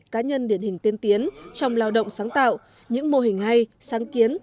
cá nhân điển hình tiên tiến trong lao động sáng tạo những mô hình hay sáng kiến